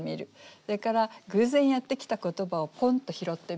それから偶然やって来た言葉をポンと拾ってみる。